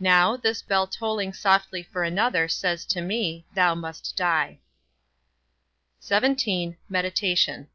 Now, this bell tolling softly for another, says to me: Thou must die. XVII. MEDITATION.